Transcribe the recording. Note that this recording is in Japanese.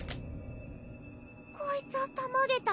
こいつはたまげた。